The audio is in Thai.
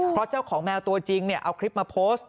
เพราะเจ้าของแมวตัวจริงเอาคลิปมาโพสต์